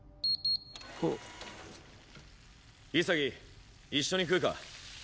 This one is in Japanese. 潔一緒に食うか？